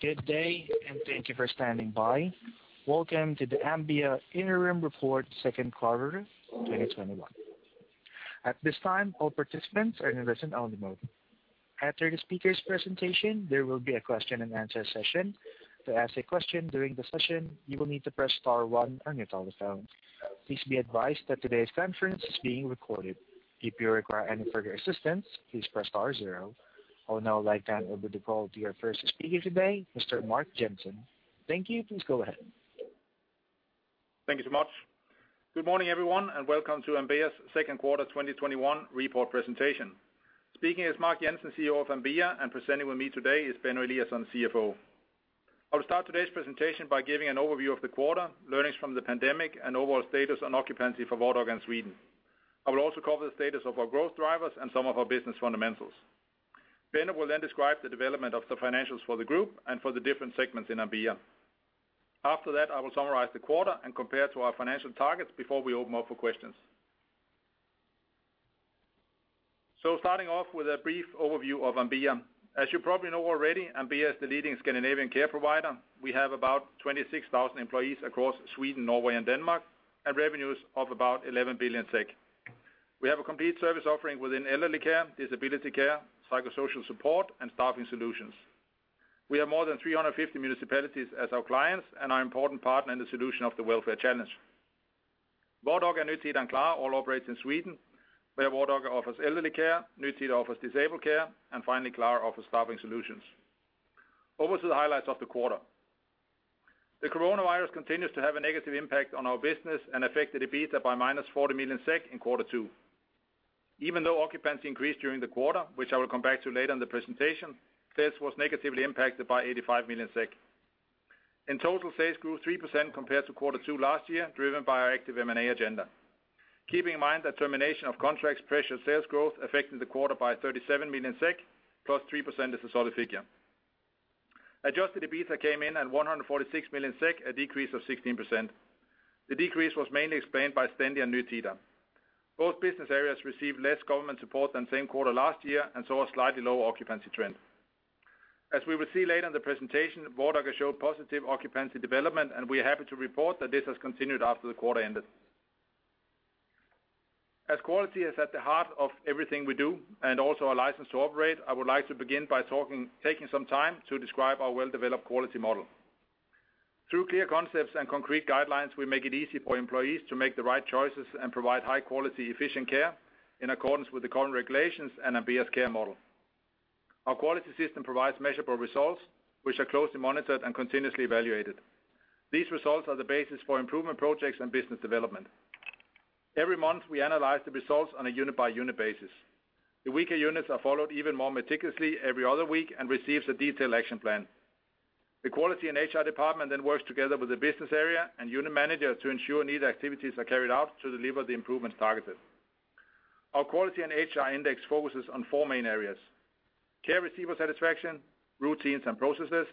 Good day, and thank you for standing by. Welcome to the Ambea interim report second quarter 2021. At this time, all participants are in listen only mode. After the speaker's presentation, there will be a question and answer session. To ask a question during the session, you will need to press star one on your telephone. Please be advised that today's conference is being recorded. If you require any further assistance, please press star zero. I would now like to hand over the call to our first speaker today, Mr. Mark Jensen. Thank you. Please go ahead. Thank you so much. Good morning, everyone, and welcome to Ambea's second quarter 2021 report presentation. Speaking is Mark Jensen, CEO of Ambea, and presenting with me today is Benno Eliasson, CFO. I'll start today's presentation by giving an overview of the quarter, learnings from the pandemic, and overall status on occupancy for Vardaga in Sweden. I will also cover the status of our growth drivers and some of our business fundamentals. Benno will then describe the development of the financials for the group and for the different segments in Ambea. I will summarize the quarter and compare to our financial targets before we open up for questions. Starting off with a brief overview of Ambea. As you probably know already, Ambea is the leading Scandinavian care provider. We have about 26,000 employees across Sweden, Norway, and Denmark, and revenues of about 11 billion. We have a complete service offering within elderly care, disability care, psychosocial support, and staffing solutions. We have more than 350 municipalities as our clients and are important partner in the solution of the welfare challenge. Vardaga, Nytida, and Klara all operate in Sweden, where Vardaga offers elderly care, Nytida offers disabled care, and finally, Klara offers staffing solutions. Over to the highlights of the quarter. The coronavirus continues to have a negative impact on our business and affected EBITDA by minus 40 million SEK in quarter two. Even though occupancy increased during the quarter, which I will come back to later in the presentation, sales was negatively impacted by 85 million SEK. In total, sales grew 3% compared to quarter two last year, driven by our active M&A agenda. Keeping in mind that termination of contracts pressured sales growth affecting the quarter by 37 million SEK plus 3% is a solid figure. Adjusted EBITDA came in at 146 million SEK, a decrease of 16%. The decrease was mainly explained by Stendi and Nytida. Both business areas received less government support than same quarter last year and saw a slightly lower occupancy trend. As we will see later in the presentation, Vardaga showed positive occupancy development, and we are happy to report that this has continued after the quarter ended. As quality is at the heart of everything we do and also our license to operate, I would like to begin by taking some time to describe our well-developed quality model. Through clear concepts and concrete guidelines, we make it easy for employees to make the right choices and provide high quality, efficient care in accordance with the current regulations and Ambea's care model. Our quality system provides measurable results which are closely monitored and continuously evaluated. These results are the basis for improvement projects and business development. Every month, we analyze the results on a unit-by-unit basis. The weaker units are followed even more meticulously every other week and receives a detailed action plan. The quality and HR department then works together with the business area and unit manager to ensure needed activities are carried out to deliver the improvements targeted. Our quality and HR index focuses on four main areas: care receiver satisfaction, routines and processes,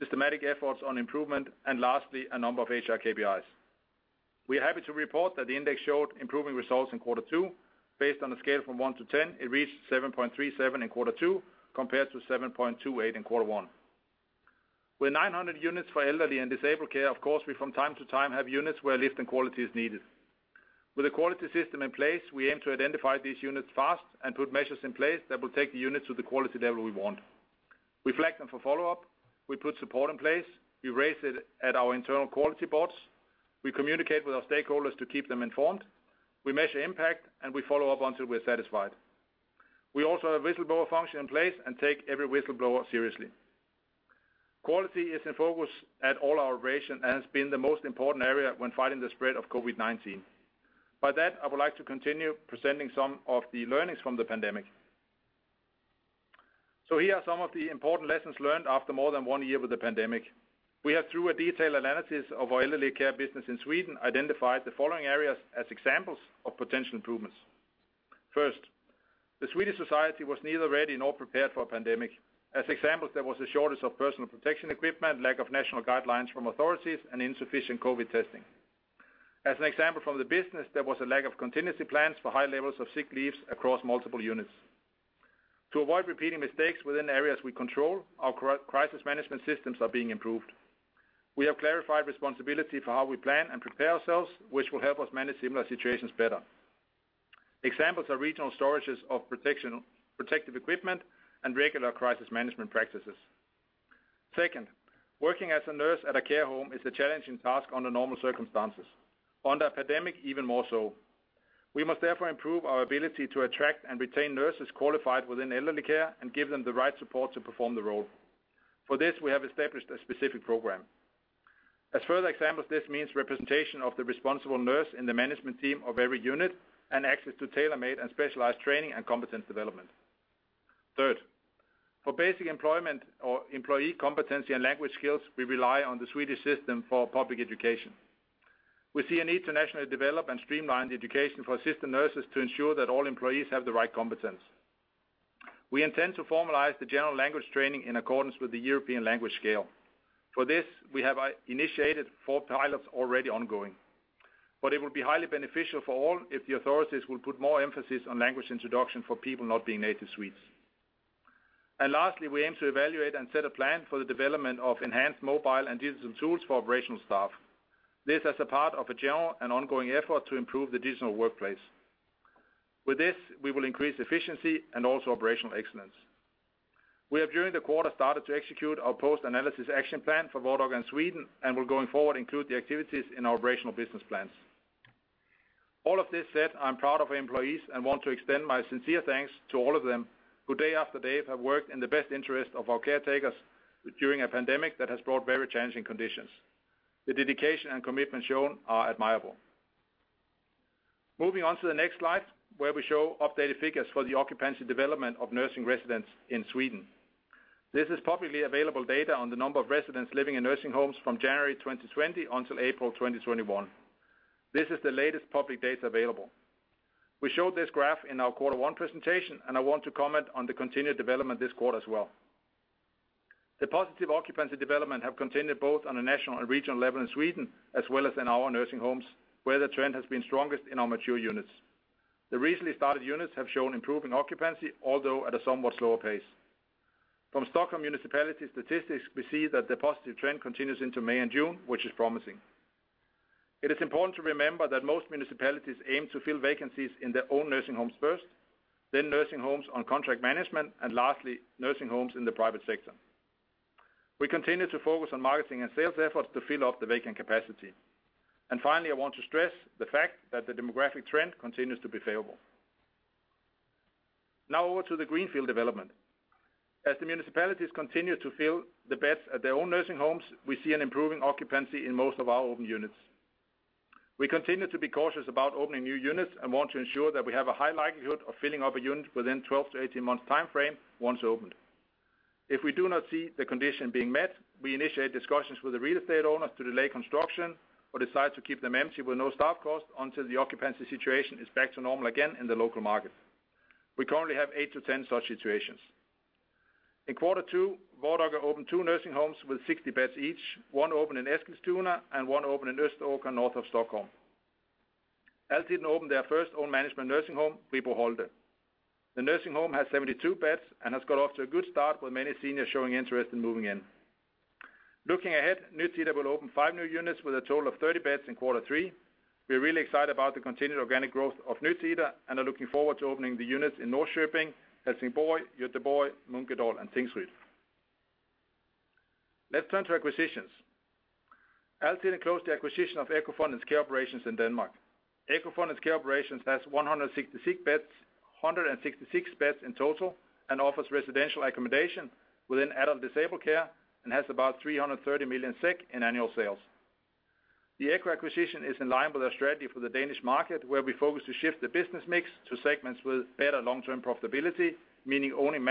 systematic efforts on improvement, and lastly, a number of HR KPIs. We are happy to report that the index showed improving results in Q2. Based on a scale from 1 to 10, it reached 7.37 in Q2, compared to 7.28 in Q1. With 900 units for elderly and disabled care, of course, we from time to time have units where a lift in quality is needed. With a quality system in place, we aim to identify these units fast and put measures in place that will take the units to the quality level we want. We flag them for follow-up. We put support in place. We raise it at our internal quality boards. We communicate with our stakeholders to keep them informed. We measure impact, and we follow up until we're satisfied. We also have whistleblower function in place and take every whistleblower seriously. Quality is in focus at all our operations and has been the most important area when fighting the spread of COVID-19. By that, I would like to continue presenting some of the learnings from the pandemic. Here are some of the important lessons learned after more than one year with the pandemic. We have through a detailed analysis of our elderly care business in Sweden, identified the following areas as examples of potential improvements. First, the Swedish society was neither ready nor prepared for a pandemic. As examples, there was a shortage of personal protection equipment, lack of national guidelines from authorities, and insufficient COVID testing. As an example from the business, there was a lack of contingency plans for high levels of sick leaves across multiple units. To avoid repeating mistakes within areas we control, our crisis management systems are being improved. We have clarified responsibility for how we plan and prepare ourselves, which will help us manage similar situations better. Examples are regional storages of protective equipment and regular crisis management practices. Second, working as a nurse at a care home is a challenging task under normal circumstances. Under a pandemic, even more so. We must therefore improve our ability to attract and retain nurses qualified within elderly care and give them the right support to perform the role. For this, we have established a specific program. As further examples, this means representation of the responsible nurse in the management team of every unit and access to tailor-made and specialized training and competence development. Third, for basic employment or employee competency and language skills, we rely on the Swedish system for public education. We see a need to nationally develop and streamline the education for assistant nurses to ensure that all employees have the right competence. We intend to formalize the general language training in accordance with the European language scale. For this, we have initiated four pilots already ongoing. It will be highly beneficial for all if the authorities will put more emphasis on language introduction for people not being native Swedes. Lastly, we aim to evaluate and set a plan for the development of enhanced mobile and digital tools for operational staff. This as a part of a general and ongoing effort to improve the digital workplace. With this, we will increase efficiency and also operational excellence. We have, during the quarter, started to execute our post-analysis action plan for Vardaga in Sweden, and will going forward include the activities in our operational business plans. All of this said, I'm proud of our employees and want to extend my sincere thanks to all of them, who day after day have worked in the best interest of our caretakers during a pandemic that has brought very challenging conditions. The dedication and commitment shown are admirable. Moving on to the next slide, where we show updated figures for the occupancy development of nursing residents in Sweden. This is publicly available data on the number of residents living in nursing homes from January 2020 until April 2021. This is the latest public data available. We showed this graph in our Quarter One presentation, and I want to comment on the continued development this quarter as well. The positive occupancy development have continued both on a national and regional level in Sweden, as well as in our nursing homes, where the trend has been strongest in our mature units. The recently started units have shown improving occupancy, although at a somewhat slower pace. From Stockholm municipality statistics, we see that the positive trend continues into May and June, which is promising. It is important to remember that most municipalities aim to fill vacancies in their own nursing homes first, then nursing homes on contract management, and lastly, nursing homes in the private sector. Finally, I want to stress the fact that the demographic trend continues to be favorable. Over to the greenfield development. As the municipalities continue to fill the beds at their own nursing homes, we see an improving occupancy in most of our open units. We continue to be cautious about opening new units and want to ensure that we have a high likelihood of filling up a unit within 12-18 months timeframe once opened. If we do not see the condition being met, we initiate discussions with the real estate owners to delay construction or decide to keep them empty with no staff cost until the occupancy situation is back to normal again in the local market. We currently have eight to 10 such situations. In Quarter Two, Vardaga opened two nursing homes with 60 beds each, one opened in Eskilstuna and one opened in Östervåla, north of Stockholm. Altiden opened their first own management nursing home, Fribo Holte. The nursing home has 72 beds and has got off to a good start with many seniors showing interest in moving in. Looking ahead, Nytida will open five new units with a total of 30 beds in quarter three. We're really excited about the continued organic growth of Nytida and are looking forward to opening the units in Norrköping, Helsingborg, Göteborg, Munkedal, and Tingsryd. Let's turn to acquisitions. Ambea closed the acquisition of EKKOfonden's care operations in Denmark. EKKOfonden's care operations has 166 beds in total and offers residential accommodation within adult disabled care and has about 330 million in annual sales. The EKKOfonden acquisition is in line with our strategy for the Danish market, where we focus to shift the business mix to segments with better long-term profitability, meaning own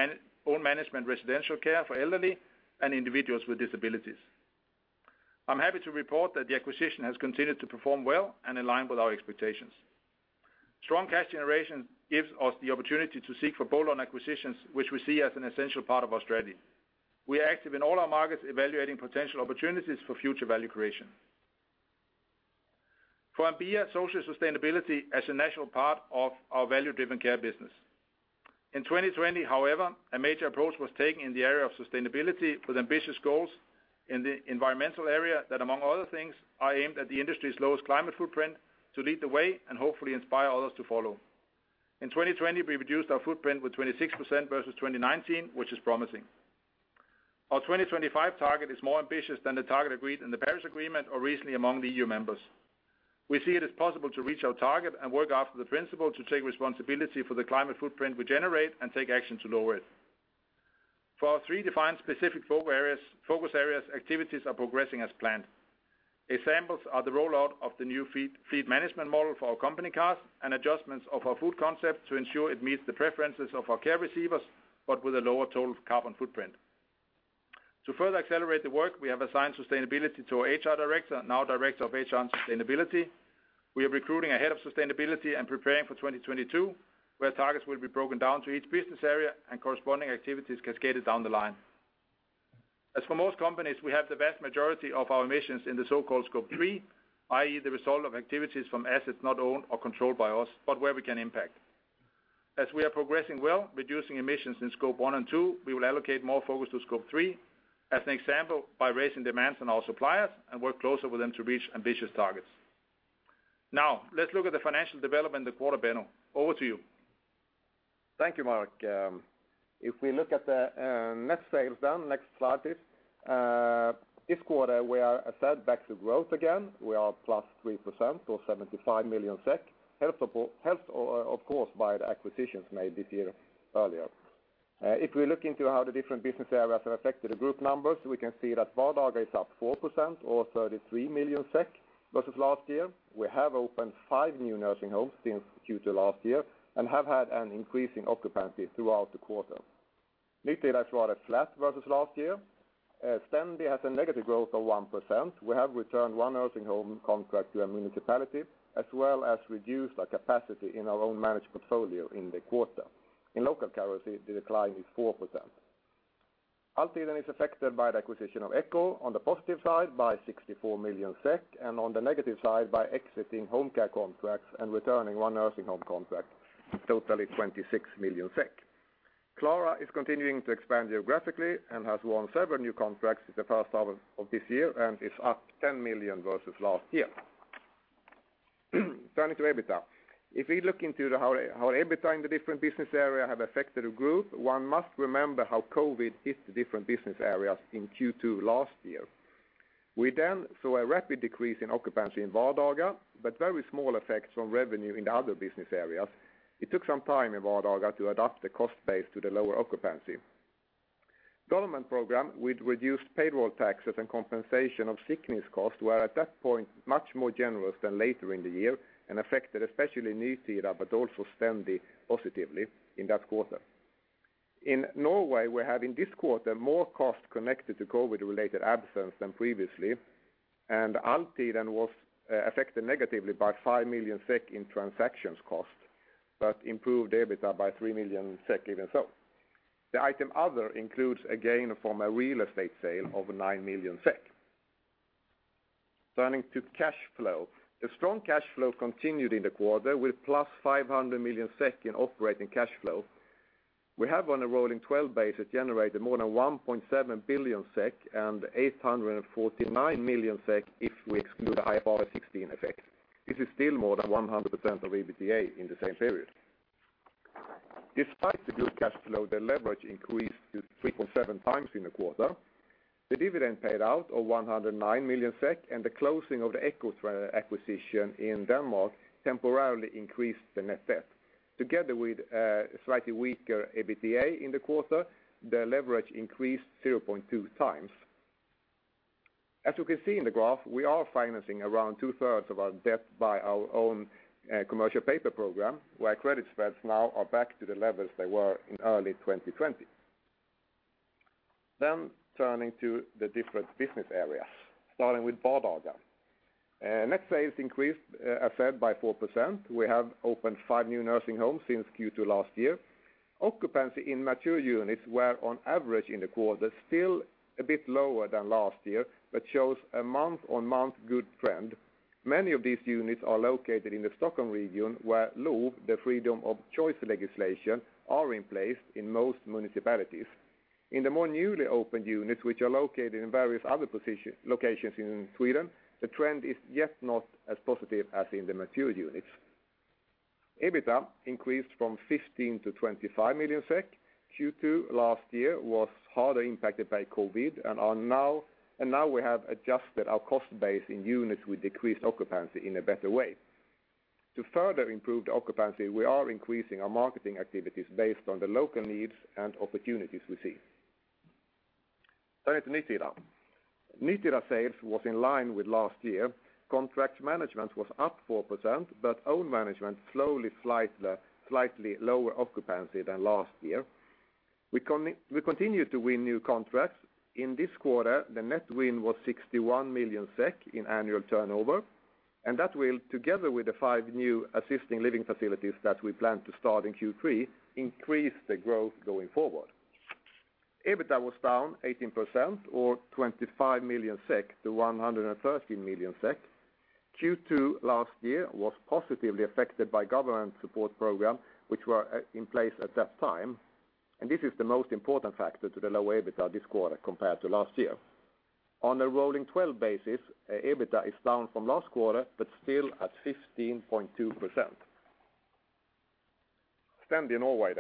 management residential care for elderly and individuals with disabilities. I'm happy to report that the acquisition has continued to perform well and in line with our expectations. Strong cash generation gives us the opportunity to seek for bolt-on acquisitions, which we see as an essential part of our strategy. We are active in all our markets evaluating potential opportunities for future value creation. For Ambea, social sustainability as a natural part of our value-driven care business. In 2020, however, a major approach was taken in the area of sustainability with ambitious goals in the environmental area that, among other things, are aimed at the industry's lowest climate footprint to lead the way and hopefully inspire others to follow. In 2020, we reduced our footprint with 26% versus 2019, which is promising. Our 2025 target is more ambitious than the target agreed in the Paris Agreement or recently among the EU members. We see it as possible to reach our target and work after the principle to take responsibility for the climate footprint we generate and take action to lower it. For our three defined specific focus areas, activities are progressing as planned. Examples are the rollout of the new fleet management model for our company cars and adjustments of our food concept to ensure it meets the preferences of our care receivers, but with a lower total carbon footprint. To further accelerate the work, we have assigned sustainability to our HR director, now director of HR and sustainability. We are recruiting a head of sustainability and preparing for 2022, where targets will be broken down to each business area and corresponding activities cascaded down the line. As for most companies, we have the vast majority of our emissions in the so-called Scope 3, i.e., the result of activities from assets not owned or controlled by us, but where we can impact. As we are progressing well reducing emissions in Scope 1 and 2, we will allocate more focus to Scope 3, as an example, by raising demands on our suppliers and work closer with them to reach ambitious targets. Now, let's look at the financial development in the quarter. Benno, over to you. Thank you, Mark. We look at the net sales, next slide, please. This quarter, we are, as said, back to growth again. We are +3% or 75 million SEK. Helped, of course, by the acquisitions made this year earlier. We look into how the different business areas have affected the group numbers, we can see that Vardaga is up 4% or 33 million SEK versus last year. We have opened five new nursing homes since Q2 last year and have had an increasing occupancy throughout the quarter. Nytida is rather flat versus last year. Stendi has a negative growth of 1%. We have returned one nursing home contract to a municipality, as well as reduced our capacity in our own managed portfolio in the quarter. In local currency, the decline is 4%. Altiden is affected by the acquisition of EKKO. On the positive side, by 64 million SEK, and on the negative side, by exiting home care contracts and returning one nursing home contract, totaling 26 million SEK. Klara is continuing to expand geographically and has won several new contracts in the first half of this year and is up 10 million versus last year. Turning to EBITDA. If we look into how EBITDA in the different business areas have affected the group, one must remember how COVID hit the different business areas in Q2 last year. We then saw a rapid decrease in occupancy in Vardaga, but very small effects on revenue in the other business areas. It took some time in Vardaga to adapt the cost base to the lower occupancy. Government program with reduced payroll taxes and compensation of sickness costs were, at that point, much more generous than later in the year and affected especially Nytida, but also Stendi positively in that quarter. In Norway, we have, in this quarter, more costs connected to COVID-related absence than previously, and Altiden was affected negatively by 5 million SEK in transactions cost, but improved EBITDA by 3 million SEK even so. The item other includes a gain from a real estate sale of 9 million SEK. Turning to cash flow. The strong cash flow continued in the quarter with +500 million in operating cash flow. We have on a rolling 12 basis generated more than 1.7 billion SEK and 849 million SEK if we exclude the IFRS 16 effect. This is still more than 100% of EBITDA in the same period. Despite the good cash flow, the leverage increased to 3.7 times in the quarter. The dividend paid out of 109 million SEK and the closing of the EKKOfonden acquisition in Denmark temporarily increased the net debt. Together with a slightly weaker EBITDA in the quarter, the leverage increased 0.2 times. As you can see in the graph, we are financing around two-thirds of our debt by our own commercial paper program, where credit spreads now are back to the levels they were in early 2020. Turning to the different business areas, starting with Vardaga. Net sales increased, as said, by 4%. We have opened 5 new nursing homes since Q2 last year. Occupancy in mature units were on average in the quarter still a bit lower than last year, but shows a month-on-month good trend. Many of these units are located in the Stockholm region, where LOV, the freedom of choice legislation, are in place in most municipalities. In the more newly opened units, which are located in various other locations in Sweden, the trend is yet not as positive as in the mature units. EBITDA increased from 15 million-25 million SEK. Q2 last year was harder impacted by COVID-19. Now we have adjusted our cost base in units with decreased occupancy in a better way. To further improve the occupancy, we are increasing our marketing activities based on the local needs and opportunities we see. Turning to Nytida. Nytida sales was in line with last year. Contract management was up 4%. Own management, slightly lower occupancy than last year. We continue to win new contracts. In this quarter, the net win was 61 million SEK in annual turnover. That will, together with the five new assisted living facilities that we plan to start in Q3, increase the growth going forward. EBITDA was down 18% or 25 million SEK to 130 million SEK. Q2 last year was positively affected by government support program, which were in place at that time. This is the most important factor to the low EBITDA this quarter compared to last year. On a rolling 12 basis, EBITDA is down from last quarter, still at 15.2%. Stendi in Norway.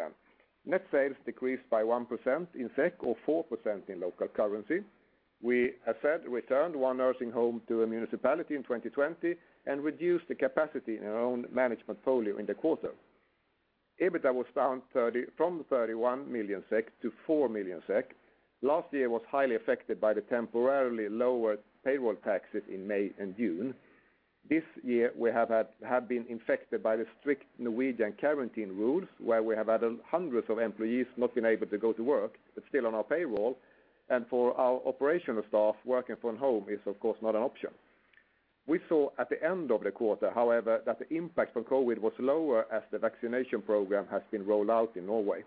Net sales decreased by 1% in SEK or 4% in local currency. We, as said, returned one nursing home to a municipality in 2020 and reduced the capacity in our own management portfolio in the quarter. EBITDA was down from 31 million SEK to 4 million SEK. Last year was highly affected by the temporarily lower payroll taxes in May and June. This year, we have been affected by the strict Norwegian quarantine rules, where we have had hundreds of employees not being able to go to work, but still on our payroll. For our operational staff, working from home is, of course, not an option. We saw at the end of the quarter, however, that the impact from COVID-19 was lower as the vaccination program has been rolled out in Norway.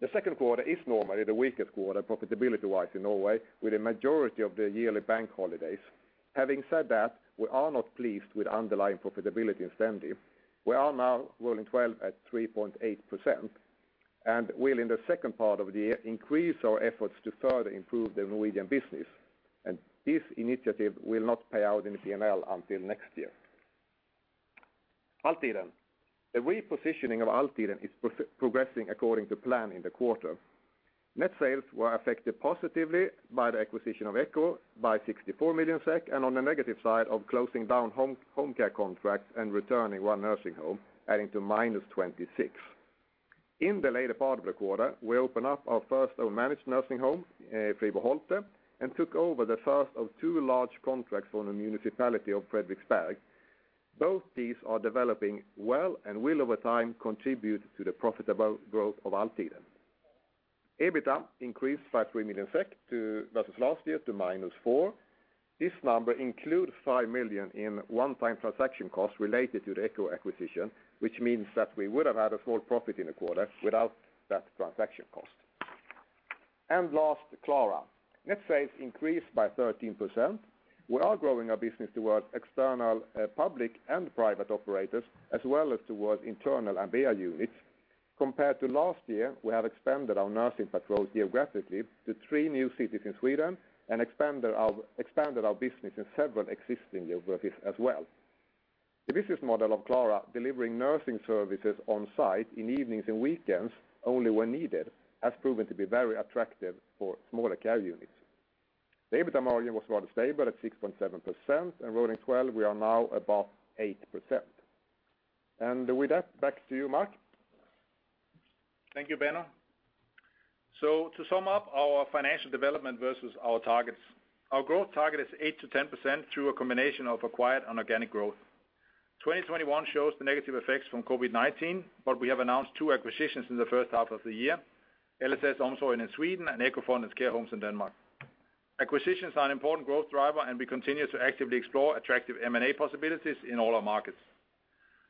The second quarter is normally the weakest quarter profitability-wise in Norway, with a majority of the yearly bank holidays. Having said that, we are not pleased with underlying profitability in Stendi. We are now rolling 12 at 3.8% and will, in the second part of the year, increase our efforts to further improve the Norwegian business. This initiative will not pay out in P&L until next year. Altiden. The repositioning of Altiden is progressing according to plan in the quarter. Net sales were affected positively by the acquisition of EKKO by 64 million SEK, and on the negative side of closing down home care contracts and returning one nursing home, adding to SEK -26 million. In the later part of the quarter, we opened up our first own managed nursing home, Fribo Holte, and took over the first of two large contracts from the municipality of Frederiksberg. Both these are developing well and will, over time, contribute to the profitable growth of Altiden. EBITDA increased by 3 million SEK versus last year to -4 million. This number includes 5 million in one-time transaction costs related to the EKKO acquisition, which means that we would have had a full profit in the quarter without that transaction cost. Last, Klara. Net sales increased by 13%. We are growing our business towards external public and private operators, as well as towards internal Ambea units. Compared to last year, we have expanded our nursing patrols geographically to three new cities in Sweden and expanded our business in several existing geographies as well. The business model of Klara delivering nursing services on-site in evenings and weekends only when needed, has proven to be very attractive for smaller care units. EBITA margin was rather stable at 6.7%, and rolling 12, we are now above 8%. With that, back to you, Mark. Thank you, Benno. To sum up our financial development versus our targets, our growth target is 8% to 10% through a combination of acquired and organic growth. 2021 shows the negative effects from COVID-19, but we have announced 2 acquisitions in the first half of the year, LSS Omsorgen in Sweden and EKKOfonden care homes in Denmark. Acquisitions are an important growth driver, and we continue to actively explore attractive M&A possibilities in all our markets.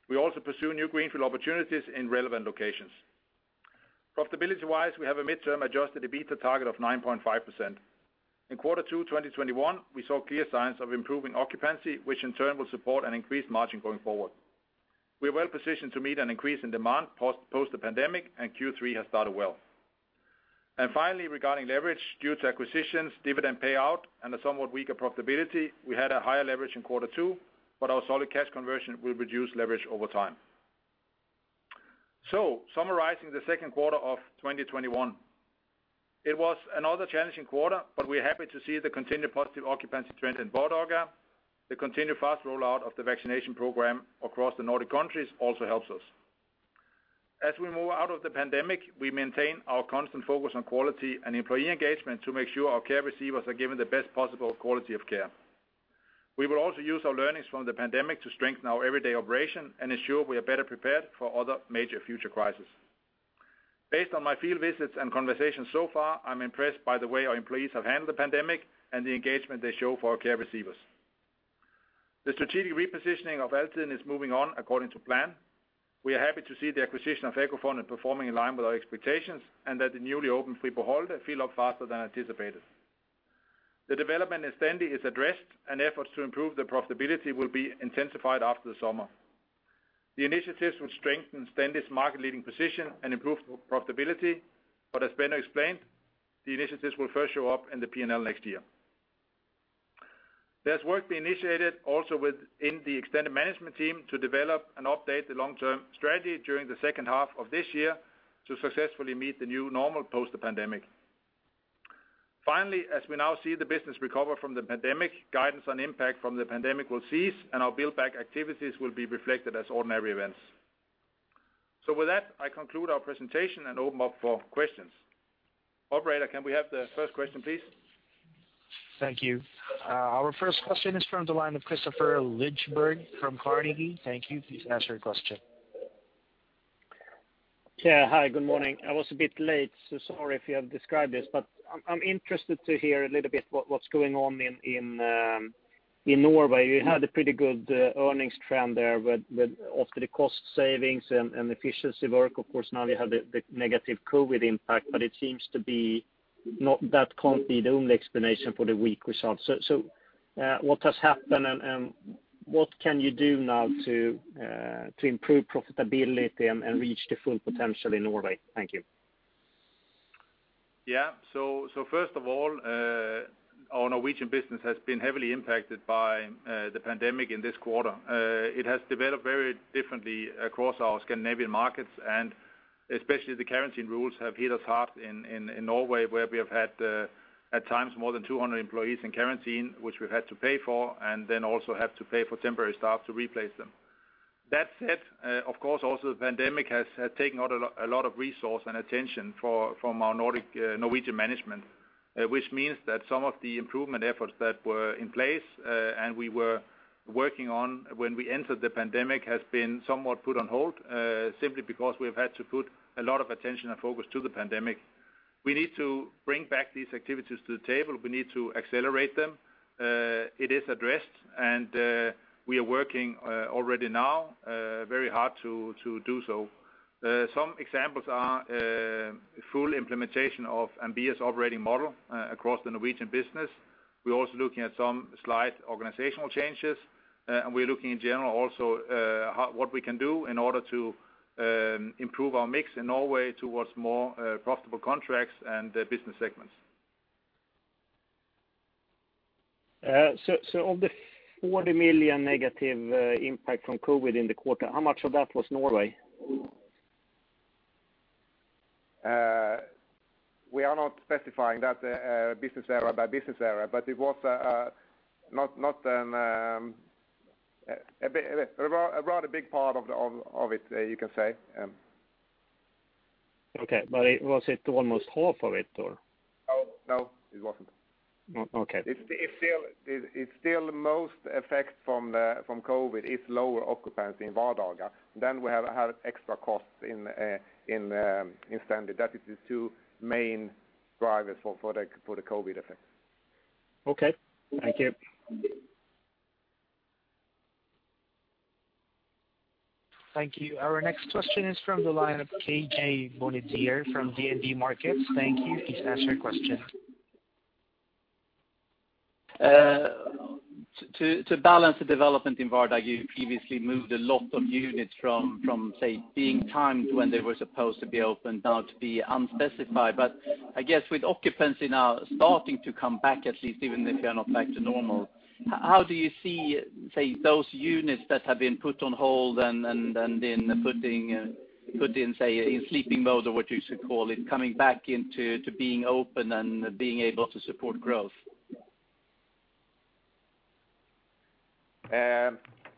We also pursue new greenfield opportunities in relevant locations. Profitability-wise, we have a midterm adjusted EBITDA target of 9.5%. In Q2 2021, we saw clear signs of improving occupancy, which in turn will support an increased margin going forward. We are well-positioned to meet an increase in demand post the pandemic, and Q3 has started well. Finally, regarding leverage, due to acquisitions, dividend payout, and a somewhat weaker profitability, we had a higher leverage in quarter two, but our solid cash conversion will reduce leverage over time. Summarizing the second quarter of 2021, it was another challenging quarter, but we're happy to see the continued positive occupancy trend in Vardaga. The continued fast rollout of the vaccination program across the Nordic countries also helps us. As we move out of the pandemic, we maintain our constant focus on quality and employee engagement to make sure our care receivers are given the best possible quality of care. We will also use our learnings from the pandemic to strengthen our everyday operation and ensure we are better prepared for other major future crises. Based on my field visits and conversations so far, I am impressed by the way our employees have handled the pandemic and the engagement they show for our care receivers. The strategic repositioning of Altiden is moving on according to plan. We are happy to see the acquisition of EKKOfonden performing in line with our expectations, and that the newly opened Fribo Holte filled up faster than anticipated. The development in Stendi is addressed, and efforts to improve the profitability will be intensified after the summer. The initiatives will strengthen Stendi's market-leading position and improve profitability, but as Benno explained, the initiatives will first show up in the P&L next year. There is work being initiated also within the extended management team to develop and update the long-term strategy during the second half of this year to successfully meet the new normal post the pandemic. Finally, as we now see the business recover from the pandemic, guidance on impact from the pandemic will cease, and our build-back activities will be reflected as ordinary events. With that, I conclude our presentation and open up for questions. Operator, can we have the first question, please? Thank you. Our first question is from the line of Kristofer Liljeberg from Carnegie. Thank you. Please ask your question. Yeah. Hi, good morning. I was a bit late, so sorry if you have described this, but I am interested to hear a little bit what's going on in Norway. You had a pretty good earnings trend there with often the cost savings and efficiency work. Of course, now you have the negative COVID-19 impact, but it seems to be not that can't be the only explanation for the weak results. What has happened and what can you do now to improve profitability and reach the full potential in Norway? Thank you. First of all, our Norwegian business has been heavily impacted by the pandemic in this quarter. It has developed very differently across our Scandinavian markets, especially the quarantine rules have hit us hard in Norway, where we have had at times more than 200 employees in quarantine, which we've had to pay for, also have to pay for temporary staff to replace them. That said, of course, also the pandemic has taken a lot of resource and attention from our Nordic Norwegian management, which means that some of the improvement efforts that were in place, and we were working on when we entered the pandemic, has been somewhat put on hold, simply because we've had to put a lot of attention and focus to the pandemic. We need to bring back these activities to the table. We need to accelerate them. It is addressed, and we are working already now very hard to do so. Some examples are full implementation of Ambea's operating model across the Norwegian business. We're also looking at some slight organizational changes, and we're looking in general also what we can do in order to improve our mix in Norway towards more profitable contracts and business segments. of the 40 million negative impact from COVID-19 in the quarter, how much of that was Norway? We are not specifying that business area by business area, but it was a rather big part of it, you can say. Okay, was it almost half of it or? No, it wasn't. Okay. It's still most effect from COVID is lower occupancy in Vardaga. We have had extra costs in Stendi. That is the two main drivers for the COVID effects. Okay. Thank you. Thank you. Our next question is from the line of K.J. Bonnevier from DNB Markets. Thank you. Please ask your question. To balance the development in Vardaga, you previously moved a lot of units from being timed when they were supposed to be open, now to be unspecified. I guess with occupancy now starting to come back, at least even if you are not back to normal, how do you see those units that have been put on hold and then put in sleeping mode, or what you should call it, coming back into being open and being able to support growth?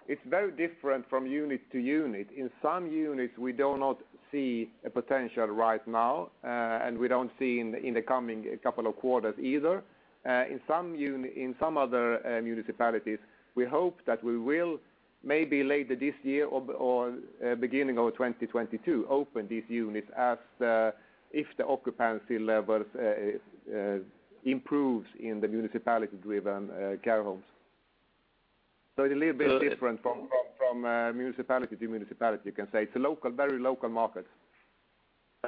It's very different from unit to unit. In some units, we do not see a potential right now, and we don't see in the coming two quarters either. In some other municipalities, we hope that we will maybe later this year or beginning of 2022 open these units if the occupancy levels improves in the municipality-driven care homes. It is a little bit different from municipality to municipality. It's a very local market.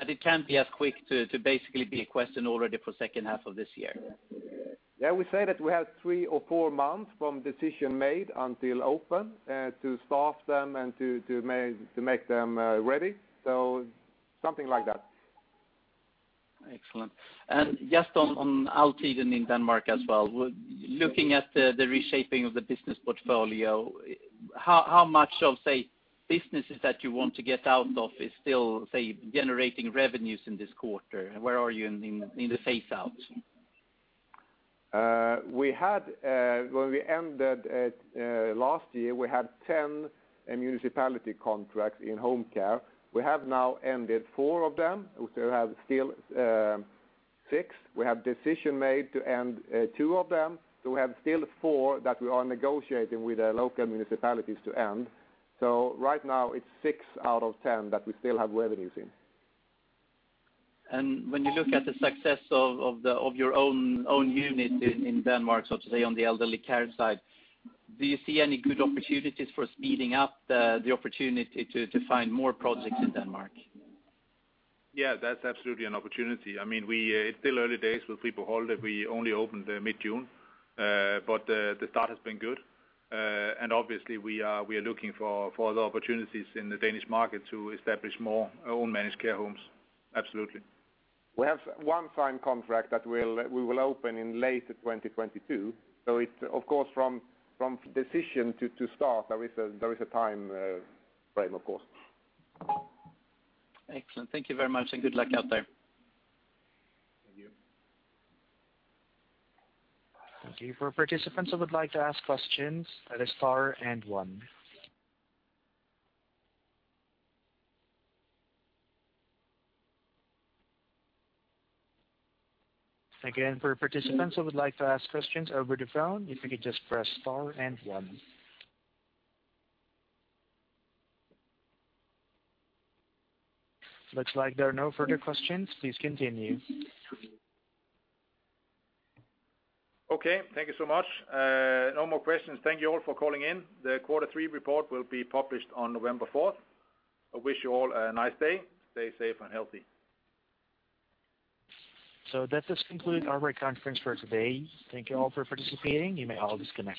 It can't be as quick to basically be a question already for second half of this year? Yeah, we say that we have three or four months from decision made until open to staff them and to make them ready. Something like that. Excellent. Just on Altiden in Denmark as well. Looking at the reshaping of the business portfolio, how much of businesses that you want to get out of is still generating revenues in this quarter? Where are you in the phase out? When we ended last year, we had 10 municipality contracts in home care. We have now ended four of them. We still have six. We have decision made to end two of them. We have still four that we are negotiating with the local municipalities to end. Right now it's six out of 10 that we still have revenues in. When you look at the success of your own unit in Denmark, so to say, on the elderly care side, do you see any good opportunities for speeding up the opportunity to find more projects in Denmark? Yeah, that's absolutely an opportunity. It's still early days with Friplejehjemmet. We only opened mid-June. The start has been good. Obviously we are looking for other opportunities in the Danish market to establish more own managed care homes. Absolutely. We have one signed contract that we will open in late 2022. Of course from decision to start, there is a time frame. Excellent. Thank you very much, and good luck out there. Thank you. Thank you. For participants who would like to ask questions, press star and one. Again, for participants who would like to ask questions over the phone, if you could just press star and one. Looks like there are no further questions. Please continue. Thank you so much. No more questions. Thank you all for calling in. The quarter three report will be published on November 4th. I wish you all a nice day. Stay safe and healthy. That does conclude our conference for today. Thank you all for participating. You may all disconnect.